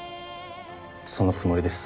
そのつもりです。